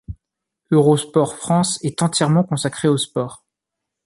Eurosport France est entièrement consacrée au sport.